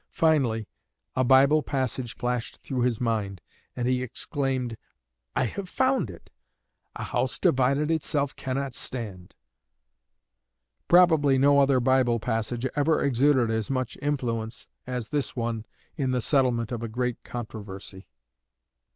Finally a Bible passage flashed through his mind, and he exclaimed, 'I have found it a house divided against itself cannot stand.' Probably no other Bible passage ever exerted as much influence as this one in the settlement of a great controversy."